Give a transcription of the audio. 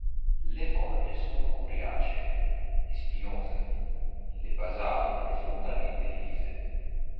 Le foglie sono coriacee e spinose, le basali profondamente divise.